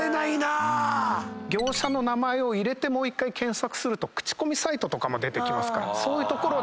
業者の名前を入れてもう１回検索すると口コミサイトとかも出てきますからそういうところで。